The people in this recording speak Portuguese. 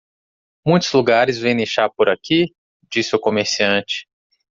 "Muitos lugares vendem chá por aqui?", disse o comerciante.